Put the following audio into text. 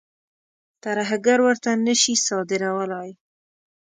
ترهګر ورته نه شي صادرولای.